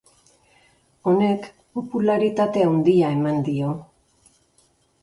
Honek popularitate handia eman dio.